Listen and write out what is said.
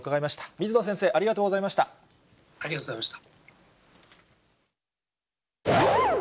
水野先生、ありがとうございました。